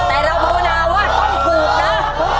แต่เราภาวนาว่าต้องถูกนะ